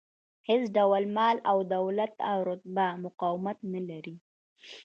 هېڅ ډول مال، دولت او رتبه مقاومت نه لري.